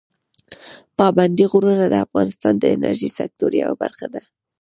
پابندي غرونه د افغانستان د انرژۍ سکتور یوه برخه ده.